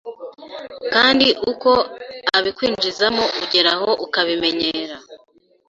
Kandi uko abikwinjizamo ugeraho ukabimenyera